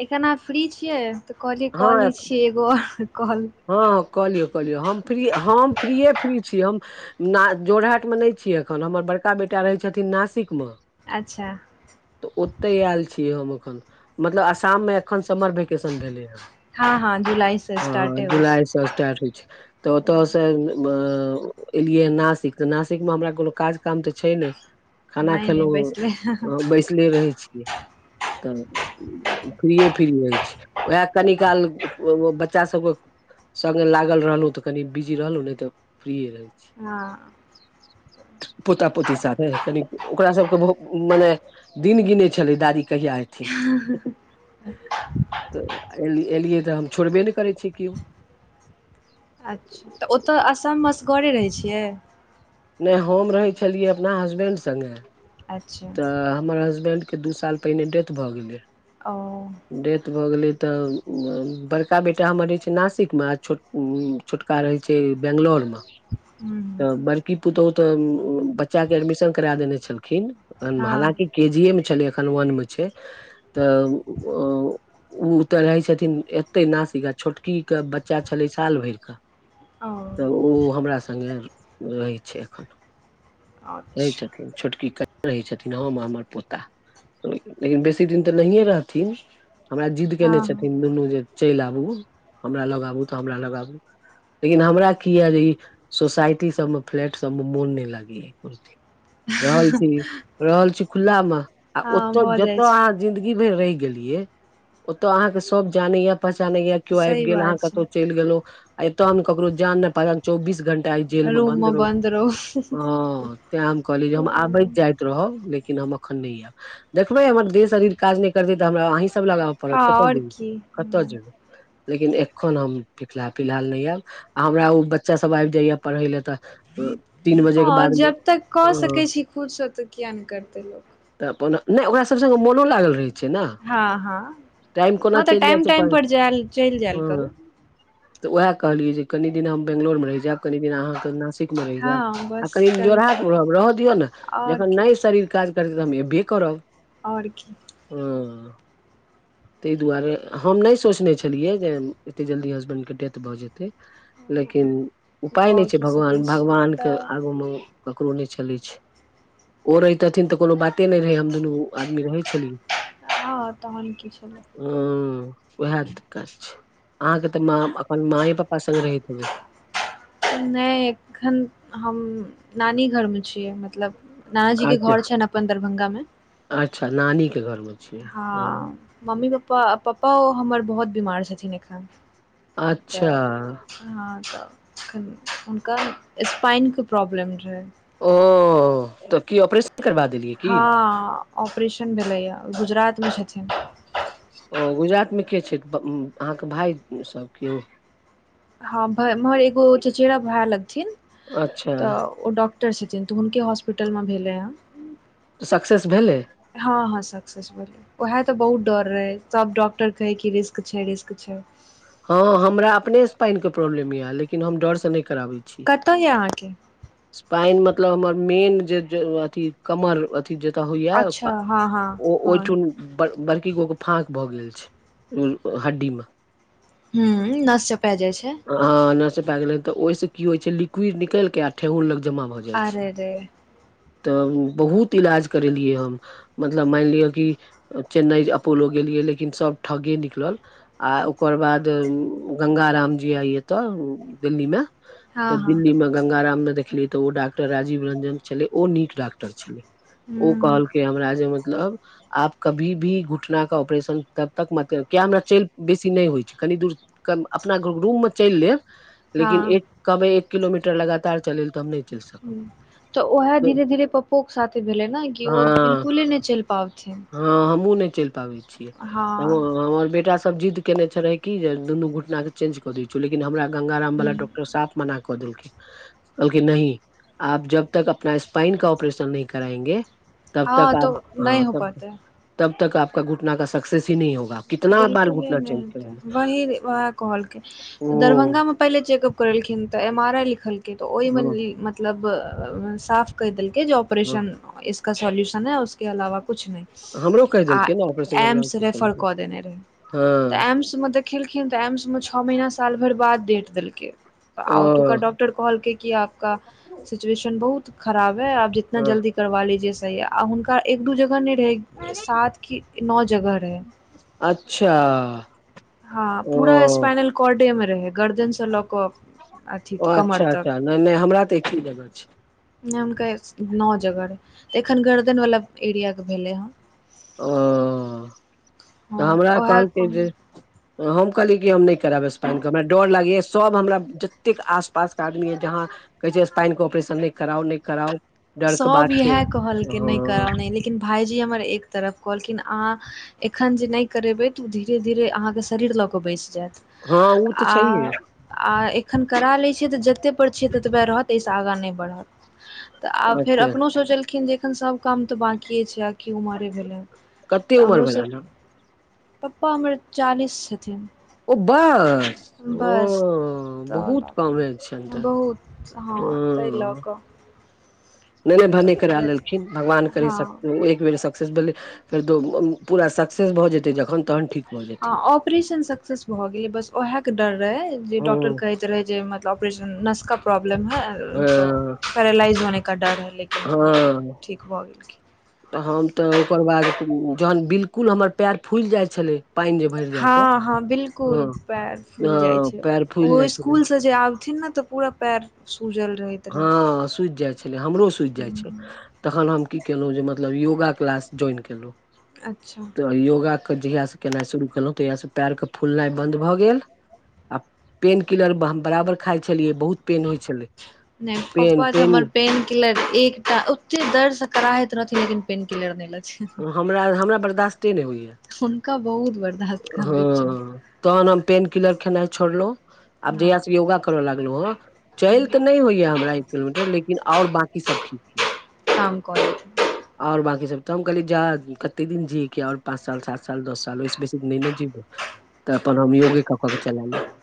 एखन आहाँ फ्री छिये तऽ कहलिय क हँ लै छियै एगो आओर कॉल हँ कऽ लियौ क लियौ हम फ्रीए फ्री छी ना जोरहाटमे नहि छियै एखन हमर बड़का बेटा रहै छथिन नासिकमे अच्छा तऽ ओते आयल छियै हम एखन मतलब आसाममे एखन समर वकेेशन भेलै हँ हँ हँ जुलाइ से स्टाटे होइ छै सस्त छै [unintelligible] त ओतयसँ अ एलियै नासिक त नासिक मे हमरा कोनो काज काम त छै ने खाना नहि नहि खेलहुँ बैसले हँ बैसले रहै छियै तऽ फ्रीए फ्री रहै छी उएह कनि काल बच्चा सभके सबमे लागल रहलहुँ तऽ कनी बिजी रहलहु नहि तऽ फ्री रहैत छी हँ [inaudible] पोता पोती साथे कनि ओकरा सबके बहुत मने दिन गिने छलै दादी कहिया त एलियै त हम छोड़बे नहि करै छी केओ [unintelligible] अच्छा ओतऽ असम असगरे रहैत छियै नहि हम रहै छलियै अपना हसबैंड संगे अच्छा तऽ हमर हसबैंडके दू साल पहिने डेथ भऽ गेलै। ओओ डेथ भऽ गेलै तऽ बड़का बेटा हमर जे छै नासिकमे छोटका रहै छै बेैंगलौरमे ' हूँ त बड़की पुतहु त बच्चा के एडमिशन करा देने छलखिन। हँ हालकि केजीए मे छलै एखन वन मे छै तऽ ओ त रहै छथिन एत्ते नासिक आ छोटकी के बच्चा छलै साल भैर के ओ तऽ ओ हमरा सगे रहै छै एखन रहै अच्छा छथिन छोटकी कनिया रहै छथिन ह हमर पोता लेकिन बेसी दिन तऽ नहिए रहथिन हमरा जिद्द हँ केने हँ छथिन दुनू जे चेल आबु हमरा लगाबू तऽ हमरा लगाबू लेकिन हमरा की य ई सोसाायटी सब मे फ्लैट सब मे मोन न लागे या रहल छी रहल छी खुला मे आ हँ ओतऽ भऽ जाइ जतैऽ छै अहाँ ी ओ [inaudible] पहचान या केओ आबि सही गेल अह बात छै कतौ चलि गेलो एतो हम ककरो जान ने पहिचान चौबीस घंटा [unintelligible] तै जेल मे बन्द रहू हाँ तैं हम कहले हम आबे रहब लेकिन हम अखन नहि आयब देखबै हमर देह शरीर काज नहि करते तऽ हमरा अ सब ल पड़त कते आओर जेबै की कते जेबै लेकिन एखन हम फिलहाल नहि आयब हमरा ओ बच्चा सभ आबि जाइए पढ़य लए तऽ तीन बजे के हँ बादमे जब तक क हँ सकैत छी खुदसँ त किया ने करतै त अपन ओकरा सब संगे मनो लागल रहै छै हँ हँ टाइम कोना हँ तऽ चलि जाइ टाइम छै टाइम पर जायल चलि जायल करू उएह कहलियै जे कनी दिन हम बेंगलोर मे रहि जायब कनि दिन अहाँके न ठीक मे रहि जायब हँ आ बस कनि जोड़हाट रह रहऽ दियौ ने आओर जखन की नहि शरीर काज करत तऽ हम एबे करबै ओर की ताहि दुआरे हम नहि सोचने छलियै जे। एते जल्दी हसबैंड के डेथ भऽ जेते लेकिन ' उपाय कऽ नहि छै की सकै भगवान छी भगवान के तऽ आगू मे ककरो नहि चलै छैले ओ रहितथिन तऽ कोनो बाते नहि रहै हम दुनू आदमी रहै छथिन हँ तहन की छल ह उएह दिक्कत छै अहाँके तऽ म अपन माए पापा संगे रहैत हबे नहि एखन हम नानी घर मे छियै मतलब नानाजी के अच्छा घर छै ने अपन दरभंगा मे अच्छा नानीके घरमे हँ छियै मम्मी पापा पपोओ हमर बहुत बीमार छथिन एखन अच्छा तऽ हँ तऽखन हुनका स्पाइनके प्रॉब्लम छै ओ त की ऑपरेशन करबा देलिही हँ ऑपरेशन भेलैए गुजरात मे छथिन ओ गुजरात मे के छै अहाँके भाय सब केओ कि हाँ एगो चचेरा भय लगथिन अच्छा तऽ ओ डॉक रहै छथिन तऽ हुनके हॉस्पिटल मे भेलै ह सक्सेस भेल हँ हँ सक्सेस स उएहा ते बहुत डर रहे सब डॉक्टर कहै कि रिस्क छै रिस्क छै हँ हमरा अपने स्पाइन के प्रॉब्लम यए लेकिन हम डर से नहि कराबैत छी कतय य अहाँके स्पाइन मतलब हमर मेन जे अथी कमर अथि जता होइया अच्छा हँ हँ ओ हँ ओठुन ब बड़की गो के फाक भ गेल छै हड्डी में ह नस चपाय जाइ छै हँ नर्स पा गेलै तऽ ओहिस की होइ छै लिक्विड निकलि के आ ठेहुन लग जमा भऽ जाइ छै अरे रे त बहुत इलाज करेलियै हम मतलब मानि लिअ कि चेन्नई अपोलो गेलियै लेकिन सभ ठगे निकलल आ ओकर बाद गंगा राम आइ तऽ दिल्ली में हँ तऽ हँ दिल्ली मे गंगा राम ने देखली तऽ ओ डॉक्टर राजीव रंजन छलै ओ नीक डॉक्टर छलै ओ हूँ कहल के हमरा जे मतलब आब कभी भी घुटनाे ऑपरेशन तब तक मत किया हमरा चलि बेसी नहि होइ छै कनि दूर अपना रूम में चल लेब हँ लेकिन एक कबै एक किलोमीटर लगातार चलेल तऽ हम नहि चलि सकब त उएहे धीरे धीरे पप्पोके साथ भेलै ने कि ओ हँ बिलकुले ने चल पाबैछे हँ हमहुँ नहि चल पाबै छीयै एगो हँ हमर बेटा सब जिद्द केने छलै कि जे दुनू घटाके चेन्ज क दै छियो लेकिन हमरा गंगारामला हूँ डॉक्टर साहेब मना कऽ देलखिन बलकि नहि आप जब तक अपना स्पाइन का ऑपरेशन नहि कराएंगे तब तक हँ आ तऽ नहि हो आप पयतै तब तब घुटना क सक्सेस ही नहि होगी बिलकुले नहि हतै वही कहलकैऽ ओ दरभगामे पहिले चेकअप करेलखिन तऽ एम आर आइ लिखलकै तऽ ओहि में हँ मतलब साफ कऽ देलक जे हँ ऑपरेशन इसका सोल्यूशन है उसके अलावा कुछ नहि हमरो कहि देलकै ने रह तऽ एम्स में देखेलखिन तऽ एम्स मे छओ महीना साल भरि बाद डेट देलकै आओतुका ओ वॉटर कहलके कि आपक सिचुएशन बहुत खराब है आ ज इतना हँ जल्दी करवा लीजे सह हुनका एक दू जगह नहि रहै सात की नओ जगह रह अच्छा हँ ओ पूरा स्पाइनल कोर्ड मे रहे गर्दन से लऽ कऽ अथी ओ कमर अच्छा तक अच्छा नहि नहि हमरा त एक ही जगह छ नहि हुनका नओ जगह रहे त एखन गर्दन वाला एरिया के भेले ओ तऽ हँ हमरा ओएह कहलकै कहल ज हम कहलियै कि हम नहि करब स्पाइनके हमरा डर लागैए सभ हमरा जतेक आसपासके आदमी य जहाँ कै छै स्पाइन को ऑपरेशन नय कराउ नहि कराउ डर के सभ बात छै इएह कहलखिन नहि हँ करउ नहि लेकिन भायजी हमर एक तरफ कहलखिन अहाँ एखन जे नहि करेबै तऽ ओ धीरे धीरे अहाँके शरीर लऽ कऽ बचि जायत हँ ओ तऽ आ छैहे आ एखन करा लैत छैै तऽ जतेक परर छिय ततबा रहत एहिसँ आगाँ नहि बढ़त तऽ आब फेर अच्छा अपनो सोचलखिन जे एखन सब काम तऽ बाँकि छै की उमरे भेलै कते तऽ उमर हमरो भेलनि सब हन पप्पा हमर चालीस छथिन ओ बस ओ बस तऽ बहुत लऽ कमे छनि कऽ त बहुत हँ तहि लऽ कऽ नहिने तऽ भने करा फेर लेलखिन भगवान करे हँ सक एक बेर रास भ त आ ऑपरेशन सक्सेस भऽ गेलै बस उएहके डर रहै जे हँ डॉक्टर कहैत रहै जे मतलब नस कऽ प्रॉब्लम है हँ पेरइज होने क र है लेकिन नहि ठीक भऽ गेलखिन हँ तऽ हम तऽ ओकर बाद जहन बिलकुल हमर पैर फ फुइल जाय छले हँ हँ बिलकुल पैर फुल जाइ हँ छै पयर फुलि ओ जाइ छलै स्कुल से जे आबथिन न ते पूरा पैर सूजल रहे हँ सुज जाइ छलै हमरो सुज जाइ छै तखन हम की केलहुँ जे मतलब योगा क्लास ज्वाइन केलहुँ अच्छा तऽ योगाके जहियासँ केनाइ शुरू केलहुँ तहियासँ पयरके फुलनाइ बन्द भऽ गेल आ पेन किलर बराबर खाइ छलियै बहुत पेन होइ छलै पेन पेन नहि [unintelligible] किलर एकटा ओते दर्दसँ कराहैत रहथिन लेकिन पेन किलर नहि ल छै हमरा हमरा बर्दाश्ते नहि होइया हुनका बहुत बर्दास्त कर दै छनि हँ तहन हम पेन किलर खेनाइ छोड़लहुँ आब जहियास हँ से योगा कर लगलो हँ चल ते नहि होइया हमरा किलोमीटर लेकिन आओर बाँकी सब ठीक छै काम करै छै आओर बाककी सब तऽ हम कहली जा कते दिन जियए क आओर पाँच साल सात साल दस साल ओहिस बेसी ने जीबै तऽ अपन हम योगे क क के चला लेब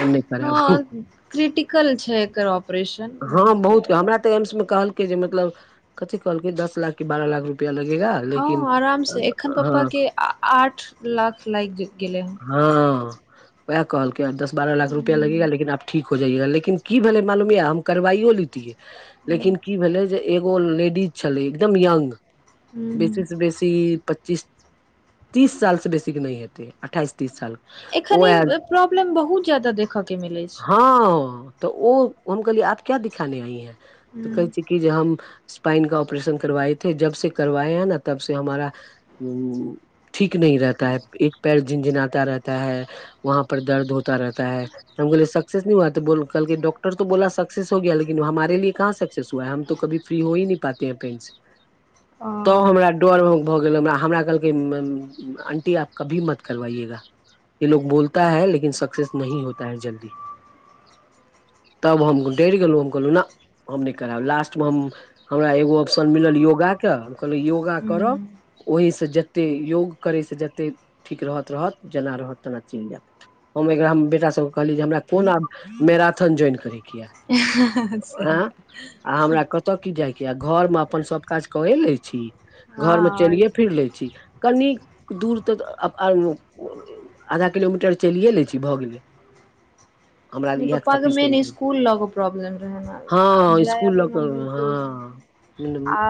हम नइ करेब हँ क्रिटिकल छै एकर ऑपरेशन हम बहुत जादा हमरा त ऐमस के जे मतलब कथी कहलक दस लाख के बारह लाख रुपआ लगेगा लेकिन हँ आराम से एखन हँ पप्पा के आठ लाख लागि गेले ह हँ वएह कहलकै दस बारह लाख रुपआ लगेगा हूँ लेकिन आब ठीक हो जाइया लेकिन की भेलै मालूम य हम करवाइयो लेतयै हूँ लेकिन की भेलै जे एगो लेडीज छलै एकदम यंग बेसी हूँ से बेसी पच्चीस तीस साल से बेसी के नहि हेतै अठाइस तीस साल एखन ओ ई प्रॉब्लम बहुत ज्यादा देखयके मिलै छै हँ तऽ ओ हम कहलियै आब क्या दिखाने आइ हैं तऽ कहै हूँ छै कि जे हम स्पाइन का ऑपरेशन करवाएथे जब से करवाए है न तब से हमारा उ ठीक नह रहता है एक पैर झिंझनाता रहता है वहाँ पर दर्द होता रहता है त हम कहलीए सक्सेस नहि हुआ त बोललके डॉ तो‌ बोला सक्सेस हो गया लेकिन हमारे लए कहाँ सक्सेस हुआ है हम तो कभी फ्री हो ही नहि पाते पेन से [inaudible] तो हमरा डर भऽ गेल हमरा हमरा कहलकै आंटी आब कभी मत करबाइएगा ये लोग बोलता है लेकिन सक्सेस नही होता है जल्दी तब हम डर गेलहुँ हम कहलहुँ ने हम नहि करब लास्ट मे हम हमरा एगो ऑप्शन मिलल योगा के हम कहल योग योगा करब हूँ ओहिसँ जतेक योग करयसँ जतेक ठीक रहत रहत जेना रहत तेना चलि जायत हम एकरा हम बेटा सबके कहली जे हमरा कोन आ मैराथन ज्वाइन करेके ये सही आँ बात आ हमरा क ओतऽ की जाइके आ घर में अपन सब काज करे ले छी हँ घरमे आओर चलिये फिर लै छी कनी दूर तऽ आधा किलोमीटर चलिए लै छी भऽ गेल [inaudible] नहि पप्पा के मेन सफिशिएंट स्कूल ल क प्रॉब्लम रहै हँ जाय स्कूल लऽ आबै मे कऽ बिलकुल हँ मतलब आ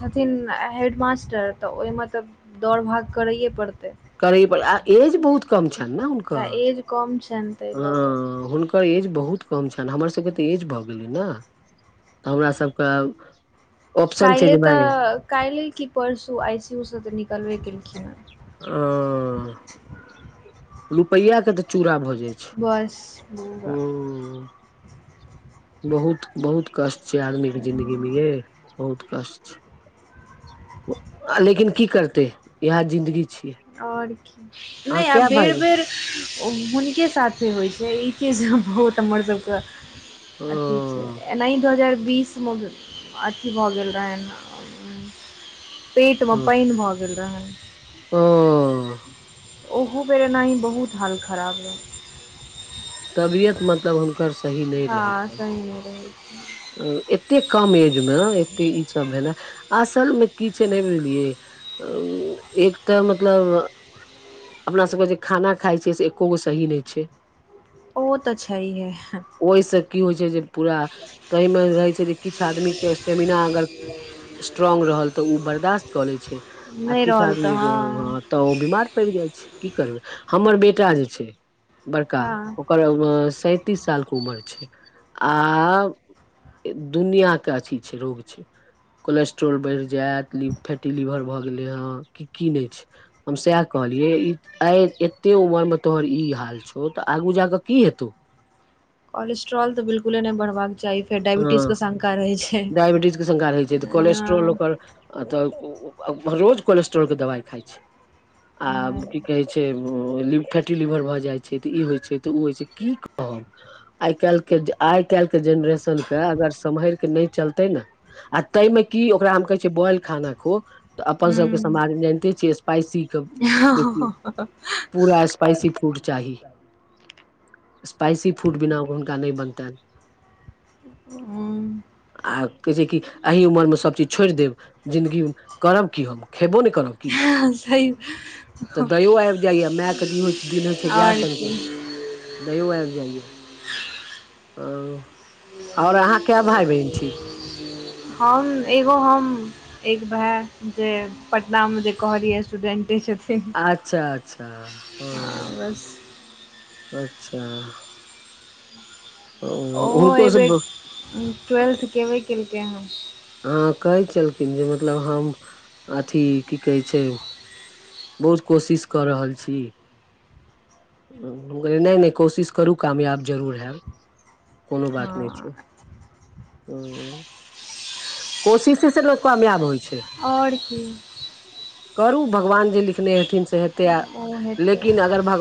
छथिन हेडमास्टर तऽ ओहिमे तऽ दौड़ भाग करैए पड़तै करै आ एज बहुत कम छनि ने आ एज कम छनि ताहि हुनकर लऽ कऽ हु ओकर एज बहुत कम छनि हमर सबके तऽ एज भऽ गेलै ने हमरा सबके ऑप्शन छै काल्हि जे तऽ काल्हि कि परसु आइ सी यू सँ तऽ निकलबे केलखिन हँ। ओ रुपैआ के तऽ चूरा भऽ जाय बस [unintelligible] बहुत बहुत कष्ट छैय आदमी के जिंन्दगी मे यैय बहुत कष्ट छैय। आ लेकिन की करतै इहे जिंदगी छियै। आओर की अहाँ नहि आ कए भाय बेर बहिन बेर ओ हुनके साथे होइ छैय ई चीज बहुत हमर सभके ओ अथी छैय। एनाही दू हजार बीसमे अथी भऽ गेल रहनि पेटमे ओ पानि भऽ गेल रहनि। ओ ओहो बेर ऐनाहि बहुत हाल ख़राब रहै। तबियत मतलब हुनकर सही हँ सुनने रहीयै। एतेक कम एज मे एतेक ई सब भेलै। असल मे की छैय नहि बुझलियै एक तऽ मतलब अपना सब के जे खाना खाय छियै से एकोगो सही नहि छैय। ओ त छैहे। ओहिसँ की होइ छैय जे पूरा तहिमे रहै छैय जे किछु आदमी के स्टेमिना अगर स्ट्रोंग रहल तऽ ओ बर्दाश्त कऽ लै छैय आ नहि किछु रहल तऽ आदमी के हँ तऽ ओ बीमार पड़ि जाइ छैय की करबै हमर बेटा जे छैय बड़का हँ करब सैतीस साल क उमर छैय। आ दुनिया के अथी छैय रोग छैय। कोलेस्ट्रोल बढ़ि जायत फैटी लीवर भऽ गेलै हँ कि की नहि छैय। हम सैह कहलियै ई आइ एते उमर में तोहर ई हाल छौ त आगू जााकऽ की हेतौ। कोलेस्ट्रोल तऽ बिलकुले नहि बढ़बाक चाही फेर हँ डायबिटज के शंका रहय छैय। डायबिटीज के संका रहै छैय तऽ कोलेस्ट्रोल ओकर तऽ रोज कोलेस्ट्रोल के दवाइ खाइ छैय आ की कहै छैय ली फैटी लीवर भऽ जाइ छैय तऽ ई होइ छैय तऽ ओ होइ छैय की कहब। आइ काल्हि के आइ काल्हि के जेनरेशनके अगर सम्हर कऽ नहि चलतै ने आ ताहिमे की ओकरा हम कहै छीयै बोइल खाना खो तऽ अपन हूँ सभके समाज जानिते छियै स्पाइसीके बेसी हां हां अ पूरा स्पाइसी फूड चाही। स्पाइसी फूड बिना हुनका नहि बनता। हु आ कहै छैय की एही उमर में सब चीज छोड़ि देब जिंन्दगी करब की हम खेबो ने करब। की सही तऽ दयो आबि जाइया मायके दिन दिल होइ छैय गाय आओर सनक। की दयो आबि जाइया आओर अहाँ कय भाय बहिन छी हम एगो हम एक भाय जे पटना मे जे कहलियै स्टूडेंटे छथिन। अच्छा अच्छा हँ बस अच्छा। ओहो हुनको सब एहिबेर ट्वेल्थ कबे केलकै हन। हँ कहै छलखिन जे मतलब हम अथी की कहै छैय बहुत कोशिश कऽ रहल छी। कहलियै नहि नहि कोशिश करू कामयाब जरूर हैब। कोनो बात नहि छैय हँ हँ। कोशिशे से लोक कामयाब होइ छै आओर की करू भगवान जे लिखने हेथिन से हेतै ओ हेतै लेकिन अगर भगवान